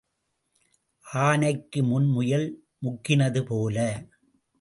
ஆனைக்கு முன் முயல் முக்கினது போல.